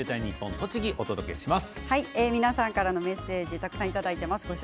栃木を皆さんからのメッセージたくさんいただいています。